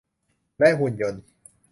และหุ่นยนต์